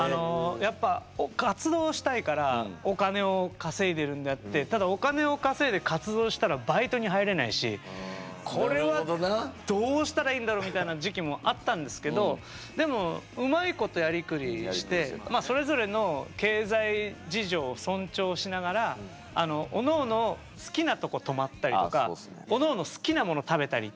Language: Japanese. やっぱ活動したいからお金を稼いでるんであってただお金を稼いで活動したらバイトに入れないしこれはどうしたらいいんだろうみたいな時期もあったんですけどでもうまいことやりくりしてそれぞれの経済事情を尊重しながらおのおの好きなとこ泊まったりとかおのおの好きなもの食べたりっていう。